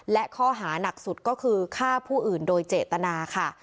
และข้อหานักสุดก็คือฆ่าผู้อื่นโดยเจตนาค่ะ